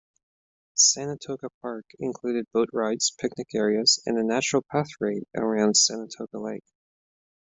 Sanatoga Park included boat rides, picnic areas, and a natural pathway around Sanatoga Lake.